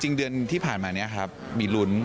เดือนที่ผ่านมานี้ครับมีลุ้น